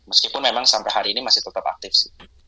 meskipun memang sampai hari ini masih tetap aktif sih